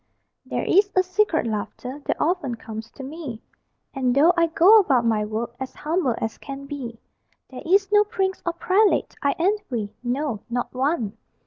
There is a secret laughter That often comes to me, And though I go about my work As humble as can be, There is no prince or prelate I envy no, not one.